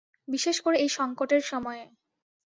বিশেষ করে এই সংকটের সময়ে।